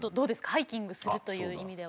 ハイキングするという意味では。